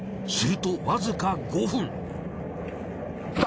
するとわずか５分。